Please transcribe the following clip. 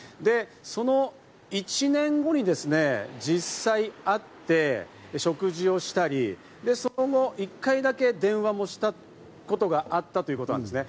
その１年後に実際に会って食事をしたり、その後１回だけ電話もしたことがあったということなんですね。